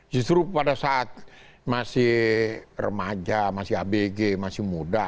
justru pada saat masih remaja masih abg masih muda